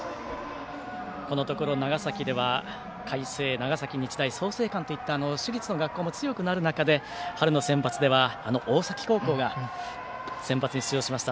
このところ長崎では海星、長崎日大創成館といった私立の学校も強くなる中で春のセンバツではあの大崎高校がセンバツに出場しました。